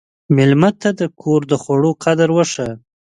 مېلمه ته د کور د خوړو قدر وښیه.